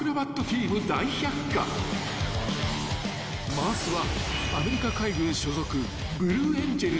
［まずは］